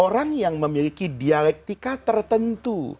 orang yang memiliki dialektika tertentu